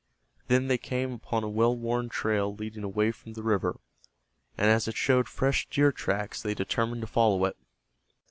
Then they came upon a well worn trail leading away from the river, and as it showed fresh deer tracks they determined to follow it.